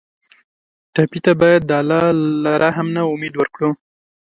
ټپي ته باید د الله له رحم نه امید ورکړو.